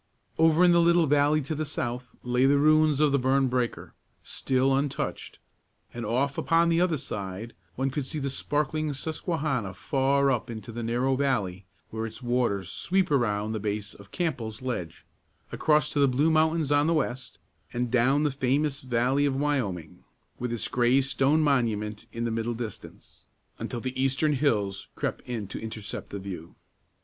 Over in the little valley to the south lay the ruins of the burned breaker, still untouched; and off upon the other side, one could see the sparkling Susquehanna far up into the narrow valley where its waters sweep around the base of Campbell's Ledge; across to the blue mountains on the west; and down the famous valley of Wyoming, with its gray stone monument in the middle distance, until the eastern hills crept in to intercept the view.